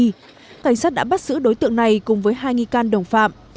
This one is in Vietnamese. hiện lực lượng trước này đã bắt giữ đối tượng này cùng với hai nghi can đồng phạm